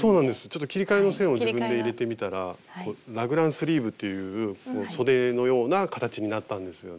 ちょっと切り替えの線を自分で入れてみたらラグランスリーブというそでのような形になったんですよね。